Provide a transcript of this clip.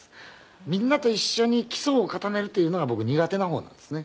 みんなと一緒に基礎を固めるっていうのが僕苦手な方なんですね。